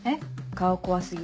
顔怖過ぎ。